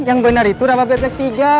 yang bener itu rawa bebek tiga